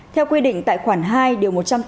theo quy định tại khoản hai điều một trăm tám mươi